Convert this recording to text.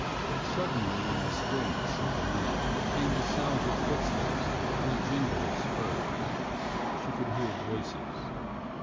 Suddenly in the stillness of the night there came the sounds of footsteps and a jingle of spurs. She could hear voices.